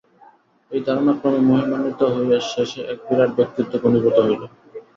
এই ধারণা ক্রমে মহিমান্বিত হইয়া শেষে এক বিরাট ব্যক্তিত্বে ঘনীভূত হইল।